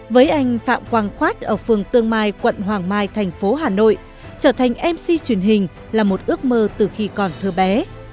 với anh phạm quang khoát ở phường tương mai quận hoàng mai thành phố hà nội trở thành mc truyền hình là một ước mơ từ khi còn thơ bé